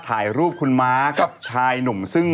ถ่ายรูปคุณม้ากับชายหนุ่มซึ่ง